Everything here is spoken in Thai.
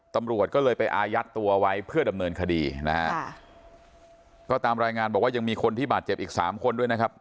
ตำรวจก็เลยไปอายัดตัวไว้เพื่อดำเนินคดีนะฮะค่ะก็ตามรายงานบอกว่ายังมีคนที่บาดเจ็บอีกสามคนด้วยนะครับ